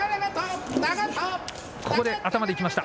ここで頭でいきました。